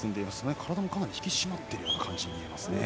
体もかなり引き締まっている感じですね。